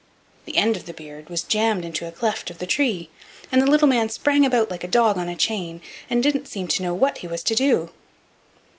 The end of the beard was jammed into a cleft of the tree, and the little man sprang about like a dog on a chain, and didn't seem to know what he was to do.